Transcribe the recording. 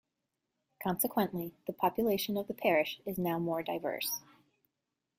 Consequently, the population of the parish is now more diverse.